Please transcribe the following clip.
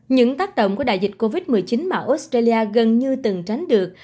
những tác động của đại dịch covid một mươi chín mà australia gần như từng tránh được